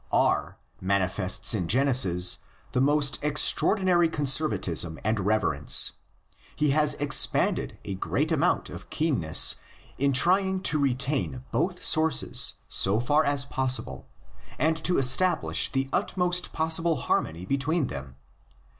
R''^ manifests in Genesis the most extraordinary conservatism and reverence; he has expended a great amount of keen ness in trying to retain both sources so far as pos sible and to establish the utmost possible harmony between them.